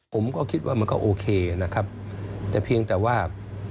ผมก็คิดว่ามันก็โอเคนะครับแต่เพียงแต่ว่า